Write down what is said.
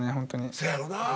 せやろな。